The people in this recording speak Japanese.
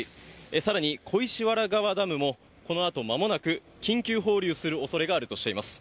さらに小石原川ダムも、このあとまもなく緊急放流するおそれがあるとしています。